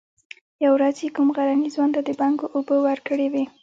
يوه ورځ يې کوم غرني ځوان ته د بنګو اوبه ورکړې وې.